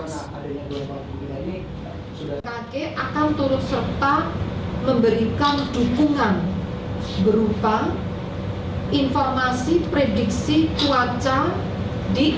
bmkg akan turut serta memberikan dukungan berupa